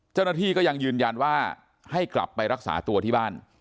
เจ้าหน้าที่ก็ยังยืนยันว่าให้กลับไปรักษาตัวที่บ้าน